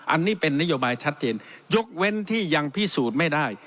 อันนี้เป็นนโยบายชัดเจนยกเว้นที่ยังพิสูจน์ไม่ได้